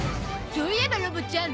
そういえばロボちゃん